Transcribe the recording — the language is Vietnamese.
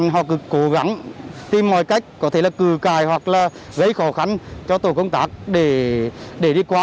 họ cứ cố gắng tìm mọi cách có thể là cử cài hoặc là gây khó khăn cho tổ công tác để đi qua